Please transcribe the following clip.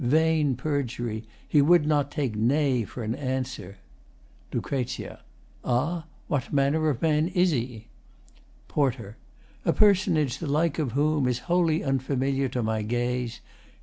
Vain perjury! He would not take Nay for an answer. LUC. Ah? What manner of man Is he? PORTER A personage the like of whom Is wholly unfamiliar to my gaze.